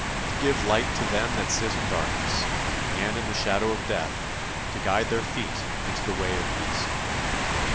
To give light to them that sit in darkness, and in the shadow of death, to guide their feet into the way of peace."